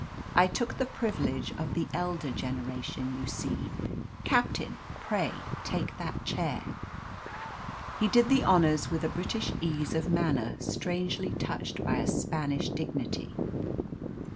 "I took the privilege of the elder generation, you see! Captain, pray take that chair." He did the honours with a British ease of manner, strangely touched by a Spanish dignity.